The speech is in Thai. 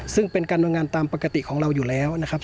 ซึ่งเป็นการเมืองงานตามปกติของเราอยู่แล้วนะครับ